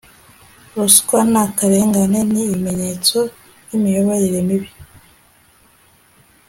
Ruswa n’akarengane ni ibimenyetso by’imiyoborere mibi